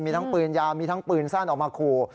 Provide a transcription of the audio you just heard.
มีทั้งปืนยาวมีทั้งปืนสั้นออกมาขู่